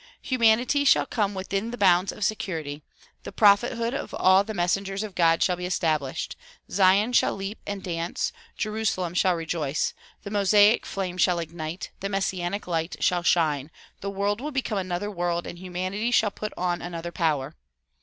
Humanity shall come within the bounds of security, the prophethood of all the messengers of God shall be established, Zion shall leap and dance, Jerusalem shall rejoice, the Mosaic flame shall ignite, the Messianic light shall shine, the world will become another world and humanity shall put on another power.